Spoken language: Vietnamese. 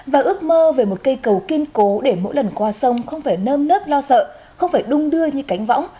và ước mơ về một cây cầu kiên cố để mỗi lần qua sông không phải nơm nớp lo sợ không phải đung đưa như cánh võng